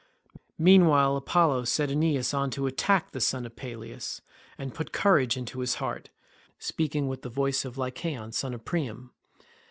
Meanwhile Apollo set Aeneas on to attack the son of Peleus, and put courage into his heart, speaking with the voice of Lycaon son of Priam.